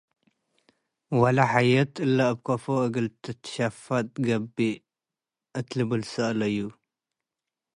ወለሐየት፤ “እለ' እብ ከአፎ እግል ትትሸፈ'ጥ ገብ'እ?” እት ልብል ትሰአለዩ።